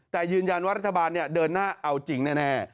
แต่ยืนยันว่ารัฐบาลเดินหน้าเอาจริงแน่